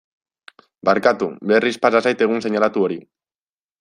Barkatu, berriz pasa zait egun seinalatu hori.